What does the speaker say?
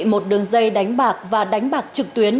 một đường dây đánh bạc và đánh bạc trực tuyến